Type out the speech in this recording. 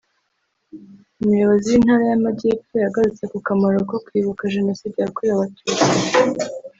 umuyobozi w’Intara y’Amajyepfo yagarutse ku kamaro ko kwibuka Jenoside yakorewe Abatutsi